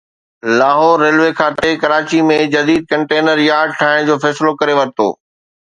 Lahore railway کاتي ڪراچي ۾ جديد container yard ٺاهڻ جو فيصلو ڪري ورتو